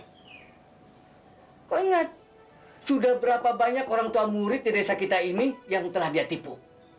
ingat sudah berapa banyak orang tua murid di desa kita ini yang telah dia tipu